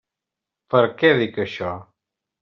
Per què dic això?